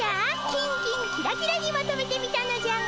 キンキンキラキラにまとめてみたのじゃが。